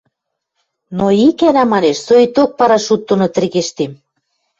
— Но ик гӓнӓ, манеш, соикток парашют доно тӹргештем!